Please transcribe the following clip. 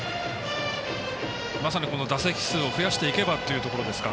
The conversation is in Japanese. まさに打席数を増やしていけばというところですか？